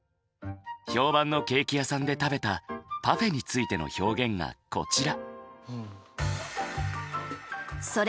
評判のケーキ屋さんで食べたパフェについての表現がこちら。